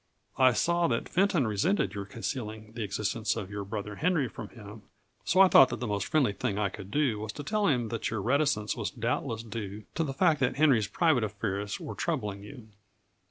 I saw that Fenton resented your concealing the existence of your brother Henry from him, so I thought the most friendly thing I could do was to tell him that your reticence was doubtless due to the fact that Henry's private affairs were troubling you.